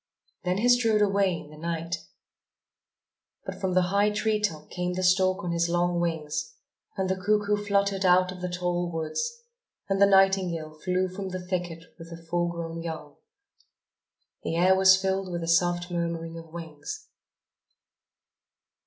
Then he strode away in the night. But from the high tree top came the stork on his long wings; and the cuckoo fluttered out of the tall woods; and the nightingale flew from the thicket with her full grown young. The air was filled with the soft murmurings of wings.